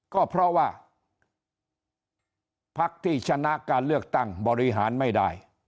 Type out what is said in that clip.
ก็เพราะว่าพักที่ชนะการเลือกตั้งบริหารไม่ได้